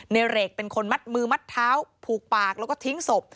เหรกเป็นคนมัดมือมัดเท้าผูกปากแล้วก็ทิ้งศพ